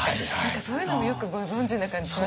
そういうのもよくご存じな感じしますよね。